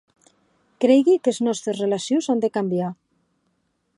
Creigui qu'es nòstes relacions an de cambiar.